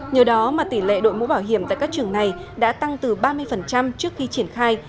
nhờ đó mà tỷ lệ đội mũ bảo hiểm tại các trường này đã tăng từ ba mươi trước khi triển khai